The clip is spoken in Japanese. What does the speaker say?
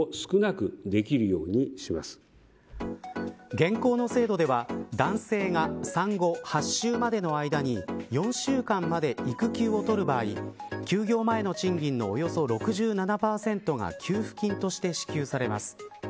現行の制度では男性が産後８週までの間に４週間まで育休を取る場合休業前の賃金のおよそ６７％が給付金として支給されます。